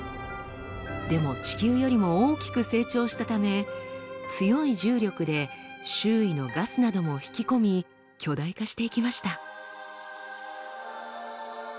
でも地球よりも大きく成長したため強い重力で周囲のガスなども引き込み巨大化していきました。